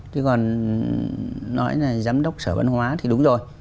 thế còn nói là giám đốc sở văn hóa thì đúng rồi